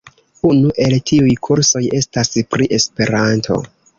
Unu el tiuj kursoj estas pri Esperanto.